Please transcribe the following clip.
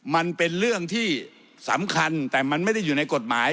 มันเป็นเรื่องที่สำคัญแต่มันไม่ได้อยู่ในกฎหมาย